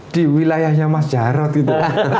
di wilayahnya mas jarod gitu